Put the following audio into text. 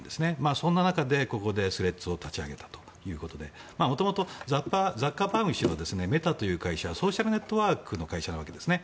そんな中でここでスレッズを立ち上げたということで元々ザッカーバーグ氏はメタという会社ソーシャルネットワークの会社なわけですね。